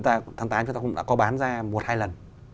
tháng tám chúng ta đã có bán ra một hai lần